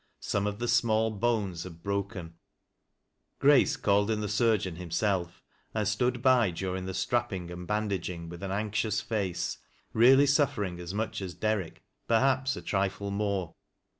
Some of the small bones had broken. Grace called in the surgeon himself, and stood by durinf: the strapping and bandaging with an anxious face, really suffering as much as Derrick, perhaps a trifle more.